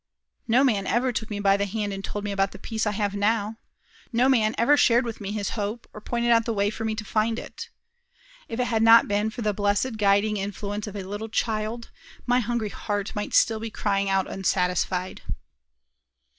'[A] No man ever took me by the hand and told me about the peace I have now. No man ever shared with me his hope, or pointed out the way for me to find it. If it had not been for the blessed guiding influence of a little child, my hungry heart might still be crying out unsatisfied."